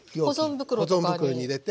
保存袋とかに入れて？